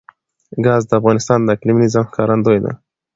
ګاز د افغانستان د اقلیمي نظام ښکارندوی ده.